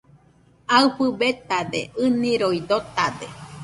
Aɨfɨ betade, ɨniroi dotade